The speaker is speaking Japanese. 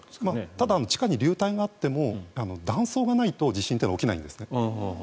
ただ地下に流体があっても断層がないと地震というのは起きないんですね。